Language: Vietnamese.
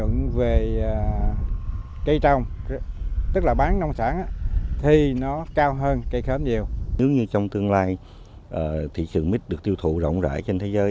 nếu như trong tương lai thị trường mít được tiêu thụ rộng rãi trên thế giới